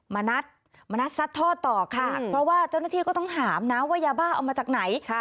มานัดซัดทอดต่อค่ะเพราะว่าเจ้าหน้าที่ก็ต้องถามนะว่ายาบ้าเอามาจากไหน